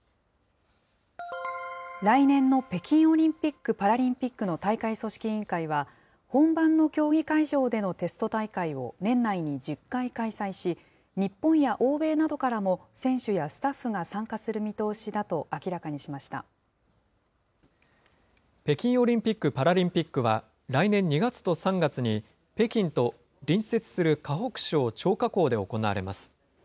来年の北京オリンピック・パラリンピックの大会組織委員会は、本番の競技会場でのテスト大会を年内に１０回開催し、日本や欧米などからも選手やスタッフが参加する見通しだと明らか北京オリンピック・パラリンピックは、来年２月と３月に、北京と隣接する河北省張家口で行われます。